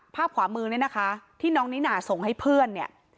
ภาพขวามือเนี่ยนะคะที่น้องนิน่าส่งให้เพื่อนเนี่ย